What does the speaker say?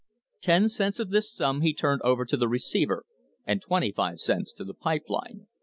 Ten cents of this sum he turned over to the receiver and twenty five cents to the pipe line.